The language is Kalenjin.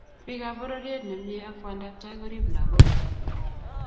Bikap pororiet nemie ak bandaptai korib lagokchi